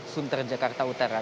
sunter jakarta utara